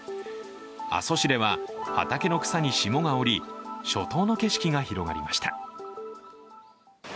阿蘇市では畑の草に霜が降り、初冬の景色が広がりました。